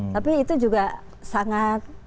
tapi itu juga sangat